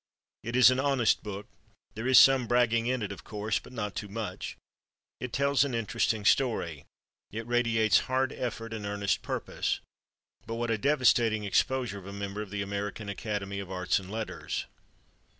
It is an honest book. There is some bragging in it, of course, but not too much. It tells an interesting story. It radiates hard effort and earnest purpose.... But what a devastating exposure of a member of the American Academy of Arts and Letters!